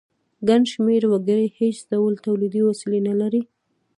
ګڼ شمیر وګړي هیڅ ډول تولیدي وسیلې نه لري.